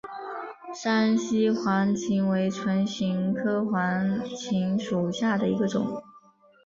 山西黄芩为唇形科黄芩属下的一个种。